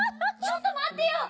ちょっとまってよ！